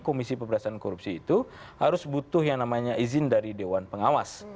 komisi pemberantasan korupsi itu harus butuh yang namanya izin dari dewan pengawas